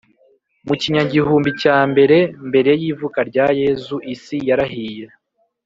mu kinyagihumbi cya mbere mbere y ivuka rya Yezu isi yarahiye